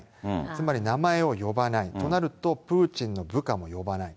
つまり、名前を呼ばないとなると、プーチンの部下も呼ばない。